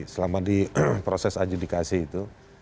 selama di proses adjudikasi itu